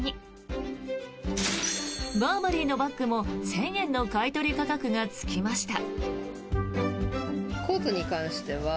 バーバリーのバッグも１０００円の買い取り価格がつきました。